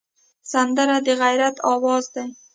سندره د غیرت آواز دی